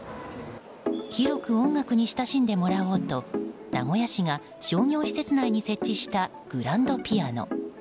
広く音楽に親しんでもらおうと名古屋市が商業施設内に設置したグランドピアノ。